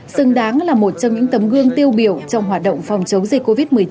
xứng đáng là một trong những tấm gương tiêu biểu trong hoạt động phòng chống dịch covid một mươi chín